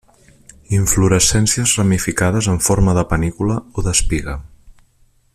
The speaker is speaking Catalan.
Inflorescències ramificades amb forma de panícula o d'espiga.